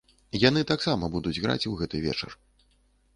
Яны таксама будуць граць у гэты вечар.